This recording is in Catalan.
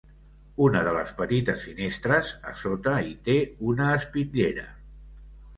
Una de les petites finestres, a sota hi té una espitllera.